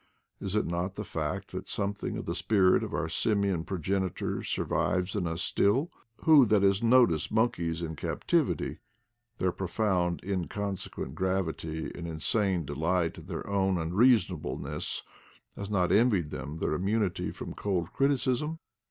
Is it not the fact that something of the spirit of our simian progenitors survives in us still! Who that has noticed mon keys in captivity — their profound inconsequent gravity and insane delight in their own unreason ableness — has not envied them their immunity from cold criticism!